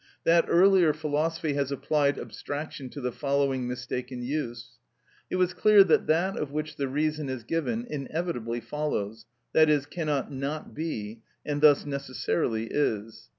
That earlier philosophy has applied abstraction to the following mistaken use. It was clear that that of which the reason is given inevitably follows, i.e., cannot not be, and thus necessarily is.